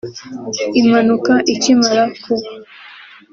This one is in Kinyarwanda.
Impanuka ikimara kuba